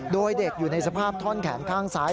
โดยเด็กอยู่ในสภาพท่อนแขนข้างซ้าย